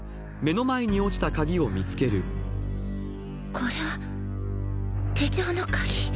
これは手錠の鍵！？